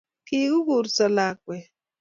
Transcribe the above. kikurso lakwet